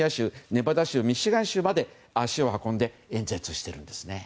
ネバダ州、ミシガン州まで足を運んで演説しているんですね。